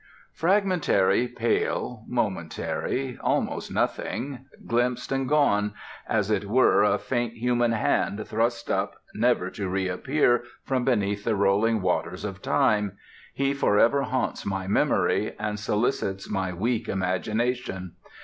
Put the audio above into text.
Fragmentary, pale, momentary; almost nothing; glimpsed and gone; as it were, a faint human hand thrust up, never to reappear, from beneath the rolling waters of Time, he forever haunts my memory and solicits my weak imagination.